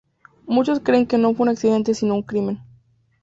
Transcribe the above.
Muchos creen que no fue un accidente sino un crimen.